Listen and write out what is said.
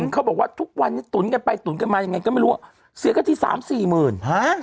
เขาบอกว่าทุกวันตุ๋นกันไปตุ๋นกันมายังไงก็ไม่รู้เสียกระทิ๓๔หมื่น